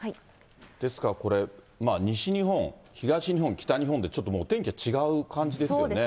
ですからこれ、西日本、東日本、北日本で、ちょっとお天気が違うそうですね。